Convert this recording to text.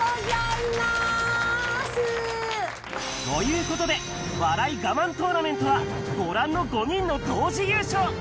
ということで、笑い我慢トーナメントは、ご覧の５人の同時優勝。